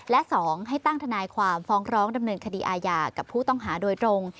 และ๒ให้ตั้งทนายความฟ้องร้องดำเนินคดีอาญากับผู้ต้องหาโดยตรง